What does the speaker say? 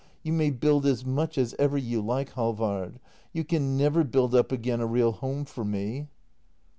] You may build as much as ever you like, Halvard — you can never build up again a real home for m e